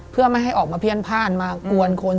เพื่อไม่ให้ออกมาเพี้ยนพ่านมากวนคน